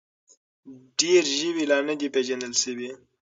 ډېر ژوي لا نه دي پېژندل شوي.